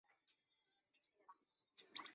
中华音乐人交流协会